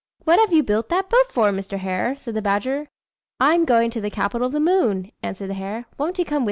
"What have you built that boat for, Mr. Hare?" said the badger. "I'm going to the capital of the moon," answered the hare; "won't you come with me?"